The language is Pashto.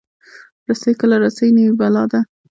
رسۍ کله رسۍ نه وي، بلا ده.